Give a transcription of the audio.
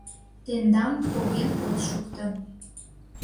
Тендам поген от шукто.